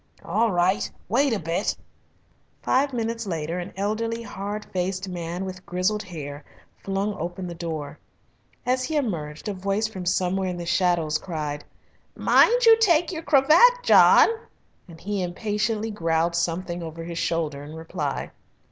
"All right! Wait a bit!" Five minutes later an elderly, hard faced man, with grizzled hair, flung open the door. As he emerged a voice from somewhere in the shadows cried, "Mind you take your cravat, John," and he impatiently growled something over his shoulder in reply.